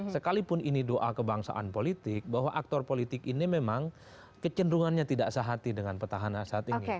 sekalipun ini doa kebangsaan politik bahwa aktor politik ini memang kecenderungannya tidak sehati dengan petahana saat ini